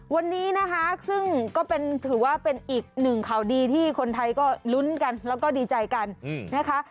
วันนี้นะคะซึ่งก็ถือว่าเป็นอีกหนึ่งข่าวดีที่คนไทยก็ลุ้นกันแล้วก็ดีใจกันนะคะ